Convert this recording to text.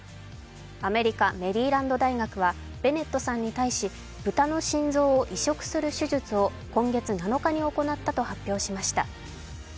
アメリカ・メリーランド大学はベネットさんに対し豚の心臓を移植する手術を今月７日に行ったと発表しました。